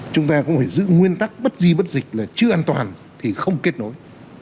chúng ta cũng phải giữ nguyên tắc bất di bất dịch là chưa an toàn thì không kết nối